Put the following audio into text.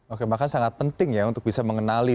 oke bahkan sangat penting ya untuk bisa mengenali